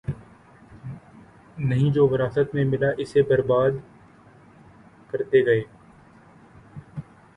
نہیں‘ جو وراثت میں ملا اسے بربادکرتے گئے۔